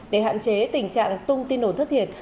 để hạn chế tình trạng tung tin đồn thất thiệt